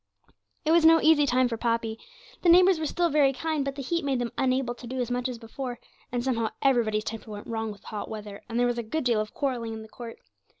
It was no easy time for Poppy. The neighbours were still very kind, but the heat made them unable to do as much as before, and somehow everybody's temper went wrong with the hot weather, and there was a good deal of quarrelling in the court.